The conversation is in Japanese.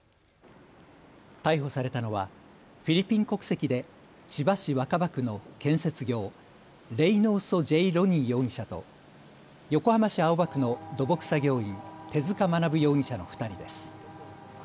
逮捕されたのはフィリピン国籍で千葉市若葉区の建設業、レイノーソ・ジェイ・ロニー容疑者と横浜市青葉区の土木作業員、手塚学容疑者の２人です。